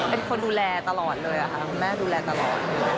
เป็นคนดูแลตลอดเลยค่ะคุณแม่ดูแลตลอด